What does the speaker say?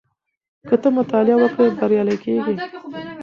که ته مطالعه وکړې بریالی کېږې.